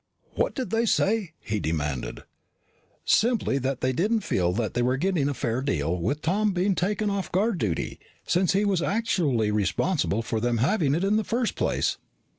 "What did they say?" he demanded. "Simply that they didn't feel that they were getting a fair deal with Tom being taken off guard duty, since he was actually responsible for them having it in the first place.